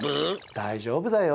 大丈夫だよ！